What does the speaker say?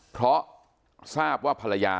เพราะทราบว่าภรรยา